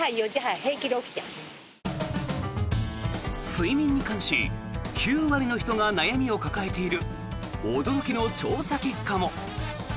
睡眠に関し９割の人が悩みを抱えている驚きの調査結果も。